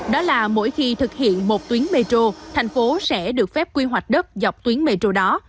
đó là mỗi khi thực hiện một tuyến metro thành phố sẽ được phép quy hoạch đất dọc tuyến metro đó